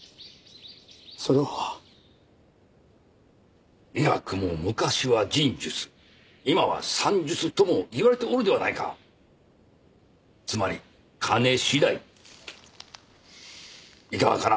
それは医学も昔は仁術今は算術ともいわれておるではないかつまり金次第いかがかな？